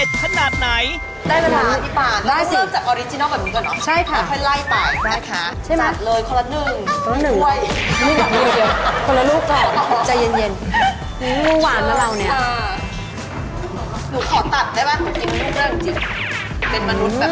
เป็นมนุษย์แบบเคี้ยวนาน